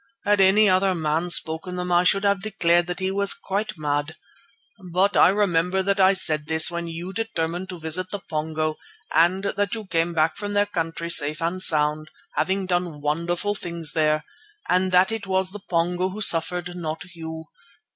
Had any other man spoken them I should have declared that he was quite mad. But I remember that I said this when you determined to visit the Pongo, and that you came back from their country safe and sound, having done wonderful things there, and that it was the Pongo who suffered, not you.